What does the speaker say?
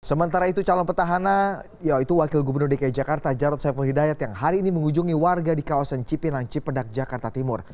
sementara itu calon petahana yaitu wakil gubernur dki jakarta jarod saiful hidayat yang hari ini mengunjungi warga di kawasan cipinang cipedak jakarta timur